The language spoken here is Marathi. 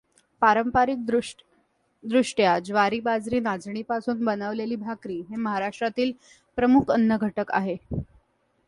पारंपारीक दृष्ट्या ज्वारी बाजरी नाचणीपासून बनवलेली भाकरी हे महाराष्ट्रातील प्रमुख अन्न घटक आहे.